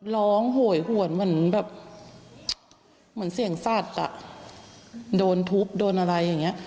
ร้องห่วยห่วนเหมือนเสียงซาดโดนทุบโดนอะไรอย่างนี้